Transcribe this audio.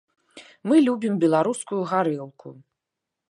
Мы любім беларускую гарэлку.